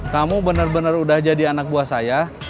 kamu benar benar udah jadi anak buah saya